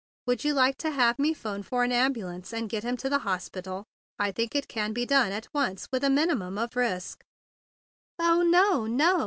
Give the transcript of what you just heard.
Would you like to have me phone for an ambulance and get him to the hospital? I think it can be done at once with a minimum of risk." "Oh, no, no!"